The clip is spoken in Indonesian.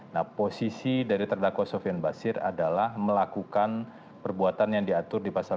nah posisi dari terdakwa sofian basir adalah melakukan perbuatan yang diatur di pasal dua puluh